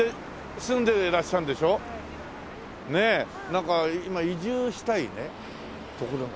なんか今移住したい所。